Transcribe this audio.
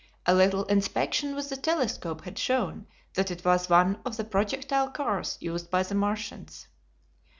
A little inspection with the telescope had shown that it was one of the projectile cars used by the Martians.